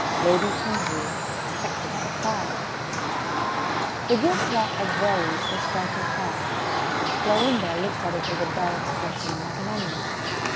Lady Congreve expected her at five. The gilt clock at Verrey's was striking five. Florinda looked at it with a dull expression, like an animal.